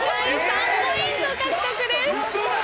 ３ポイント獲得です。